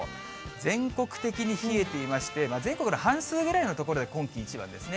全国的に冷えていまして、全国の半数ぐらいの所で今季一番ですね。